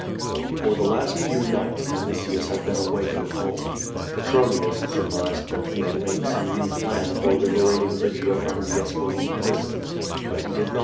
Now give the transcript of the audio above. For the last few nights Vinitius had been away from home. Petronius surmised that he had made some new plan for lib erating Lygia from the Esquiline prison; but he did not like •Note.